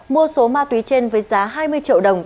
mua số ma túy trên với giá hai mươi triệu đồng